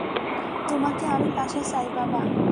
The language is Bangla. তোমাকে আমি পাশে চাই, বাবা।